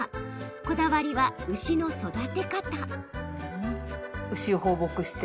こだわりは、牛の育て方。